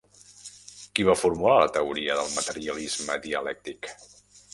Qui va formular la teoria del materialisme dialèctic?